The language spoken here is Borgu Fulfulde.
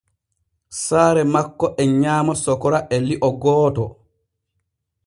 Saare makko e nyaama sokora e li’o gooto.